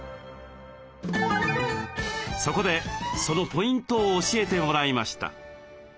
そこでそのポイントを教えてもらいました。